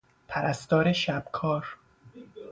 پرستار شب کار